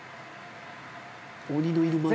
「鬼のいぬ間に」